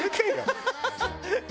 ハハハハ！